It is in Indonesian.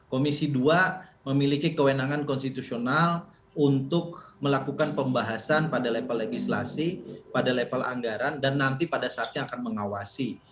komisi dua memiliki kewenangan konstitusional untuk melakukan pembahasan pada level legislasi pada level anggaran dan nanti pada saatnya akan mengawasi